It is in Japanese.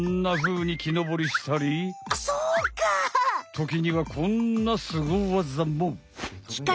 ときにはこんなスゴわざも！